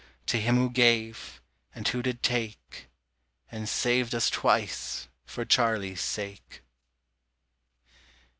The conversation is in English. To Him who gave, and who did take, And saved us twice, for Charlie's sake.